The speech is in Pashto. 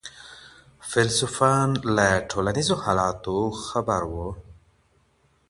فیلسوفان له ټولنیزو حالاتو خبر وو.